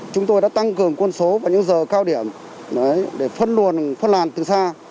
chúng tôi đã tăng cường quân số vào những giờ cao điểm để phân luồng phân làn từ xa